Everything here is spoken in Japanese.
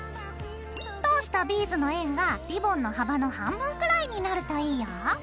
通したビーズの円がリボンの幅の半分くらいになるといいよ。